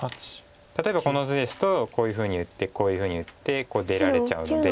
例えばこの図ですとこういうふうに打ってこういうふうに打って出られちゃうので。